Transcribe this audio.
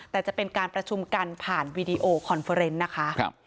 แต่จะเป็นการประชุมกันผ่านวีดีโอคอนเฟอร์เนสนะคะ